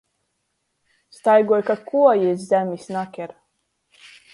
Staigoj, ka kuojis zemis naker.